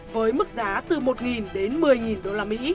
với mức giá từ một đến một mươi usd